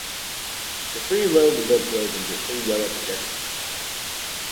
The three-lobed lip grows into three yellow projections.